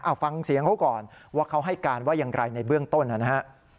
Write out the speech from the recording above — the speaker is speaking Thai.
เอาฟังเสียงเขาก่อนว่าเขาให้การว่าอย่างไรในเบื้องต้นนะฮะ